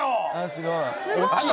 すごい！